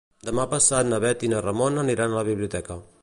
Demà passat na Bet i na Ramona aniran a la biblioteca.